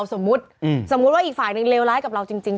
สมมุติสมมุติว่าอีกฝ่ายหนึ่งเลวร้ายกับเราจริง